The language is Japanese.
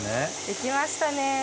できましたね。